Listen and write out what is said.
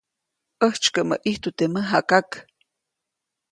ʼÄjtsykäʼmäʼ ʼijtu teʼ mäjakak.